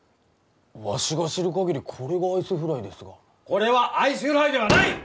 わしが知るかぎりこれがアイスフライですがこれはアイスフライではない！